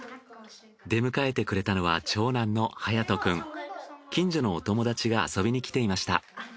出迎えてくれたのは近所のお友達が遊びに来ていました。